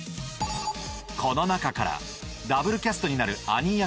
この中からＷキャストになるアニー役